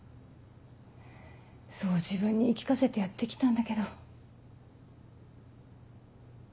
そう自分に言い聞かせてやって来たんだけど。